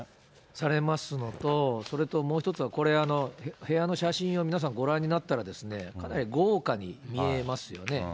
されますのと、それともう１つ、これ、部屋の写真を皆さん、ご覧になったらですね、かなり豪華に見えますよね。